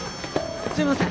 すいません。